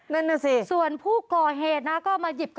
นั่นสิครับ